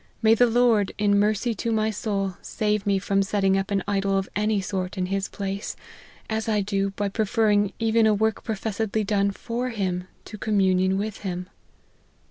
May the Lord, in mercy to my soul, save me from setting up an idol of any sort in his place ; as I do by preferring even a work professedly done for him, to communion with him.